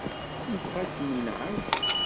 Nebɣa ad kem-nɛawen.